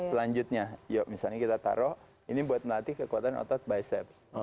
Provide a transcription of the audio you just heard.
selanjutnya yuk misalnya kita taruh ini buat melatih kekuatan otot biceps